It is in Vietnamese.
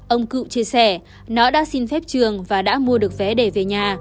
ông cự chia sẻ nó đã xin phép trường và đã mua được vé để về nhà